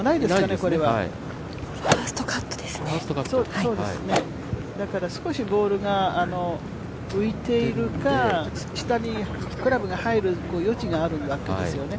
ですから少しボールが浮いているか下にクラブが入る余地があるのかもしれないですね、